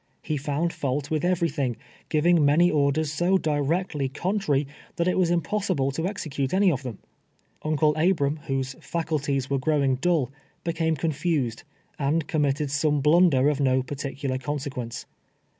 He found fault with every thing, giving many orders so directly contrary that it was impossible to execute any of them. Uncle Abram, whose faculties were growing dull, became confused, and committed some blunder of no particular conserpience.